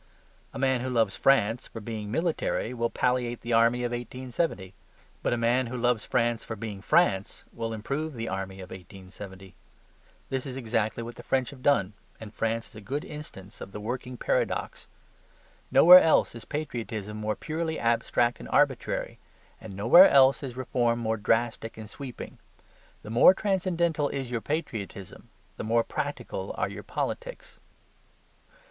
A man who loves France for being military will palliate the army of 1870. But a man who loves France for being France will improve the army of 1870. This is exactly what the French have done, and France is a good instance of the working paradox. Nowhere else is patriotism more purely abstract and arbitrary; and nowhere else is reform more drastic and sweeping. The more transcendental is your patriotism, the more practical are your politics.